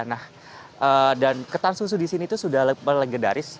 nah dan ketan susu di sini itu sudah melegendaris